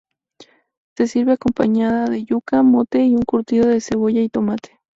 Se sirve acompañada con yuca, mote y un curtido de cebolla y tomate.